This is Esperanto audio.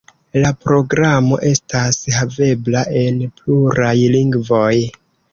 La programo estas havebla en pluraj lingvoj.